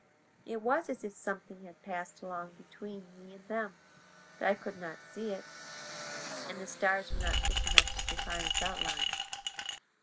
It was as if something had passed along between me and them; but I could not see it, and the stars were not thick enough to define its outline.